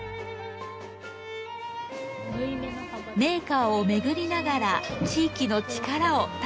メーカーをめぐりながら地域の力を体感します。